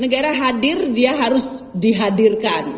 negara hadir dia harus dihadirkan